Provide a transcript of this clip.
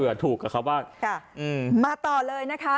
ถูกกับเขาบ้างค่ะอืมมาต่อเลยนะคะ